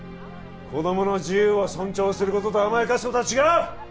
子供の自由を尊重することと甘やかすことは違う！